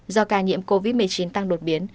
do ca nhiễm covid một mươi chín tăng đột biến